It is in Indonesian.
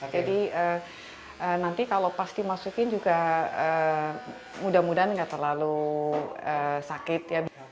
jadi nanti kalau pas dimasukin juga mudah mudahan nggak terlalu sakit